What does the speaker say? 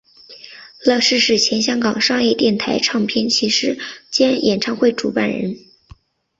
乐仕是前香港商业电台唱片骑师兼演唱会主办人。